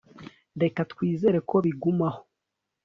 reka twizere ko bigumaho